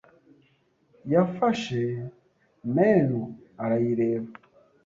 yafashe menu arayireba.